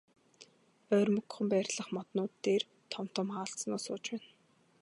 Ойрмогхон байрлах моднууд дээр том том аалзнууд сууж байна.